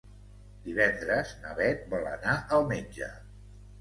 Divendres na Bet vol anar al metge.